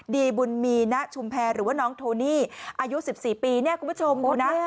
ดีบุญมีณชุมแพรหรือว่าน้องโทนี่อายุ๑๔ปีเนี่ยคุณผู้ชมดูนะ